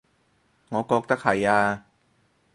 我覺得係呀